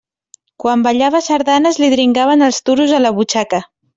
Quan ballava sardanes li dringaven els duros a la butxaca.